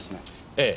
ええ。